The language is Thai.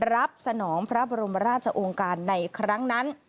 รับสนองพระบรมราชโรงการในครั้งนั้น